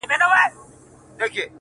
شمېریې ډېر دی تر همه واړو مرغانو؛